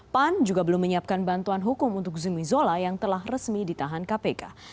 pan juga belum menyiapkan bantuan hukum untuk zumi zola yang telah resmi ditahan kpk